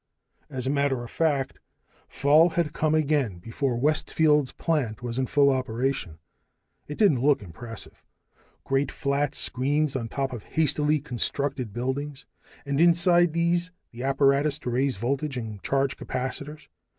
As a matter of fact, fall had come again before Westfield's plant was in full operation. It didn't look impressive: great flat screens on top of hastily constructed buildings, and inside these the apparatus to raise voltage and charge capacitors.